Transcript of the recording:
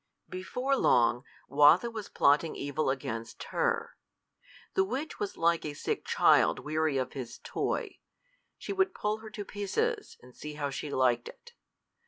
Before long, Watho was plotting evil against her. The witch was like a sick child weary of his toy: she would pull her to pieces, and see how she liked it.